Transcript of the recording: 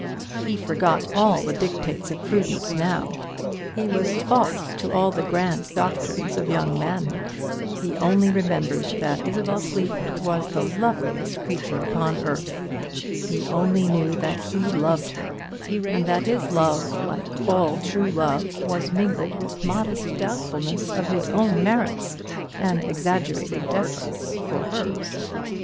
He forgot all the dictates of prudence now; he was false to all the grand doctrines of young manhood; he only remembered that Isabel Sleaford was the loveliest creature upon earth; he only knew that he loved her, and that his love, like all true love, was mingled with modest doubtfulness of his own merits, and exaggerated deference for hers.